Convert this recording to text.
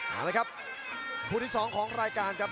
เอาเลยครับครูที่สองของรายการครับ